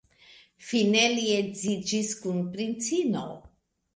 Fine li edziĝis kun princino.